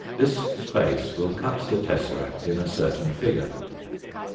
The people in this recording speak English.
This space will cut the tesseract in a certain figure.